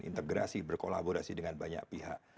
integrasi berkolaborasi dengan banyak pihak